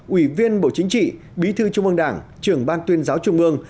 ủy viên bộ chính trị bí thư trung ương đảng trưởng ban tuyên giáo trung ương